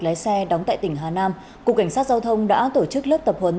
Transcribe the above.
lái xe đóng tại tỉnh hà nam cục cảnh sát giao thông đã tổ chức lớp tập huấn